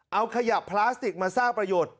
เอาขยะพลาสติกมาสร้างประโยชน์